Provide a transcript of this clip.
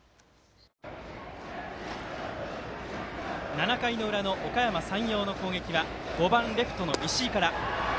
７回の裏のおかやま山陽の攻撃は５番、レフトの石井から。